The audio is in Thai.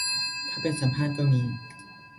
ถ้าเป็นสัมภาษณ์ก็มี